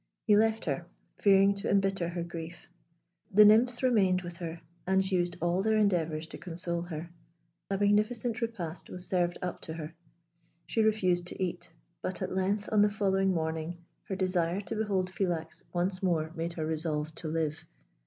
He left her, fearing to embitter her grief. The nymphs remained with her, and used all their endeavours to console her. A magnificent repast was served up to her. She refused to eat; but at length, on the following morning, her desire to behold Philax once more made her resolve to live.